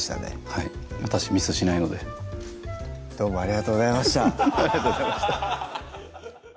はい私ミスしないのでどうもありがとうございましたありがとうございました